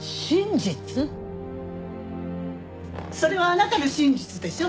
それはあなたの真実でしょ。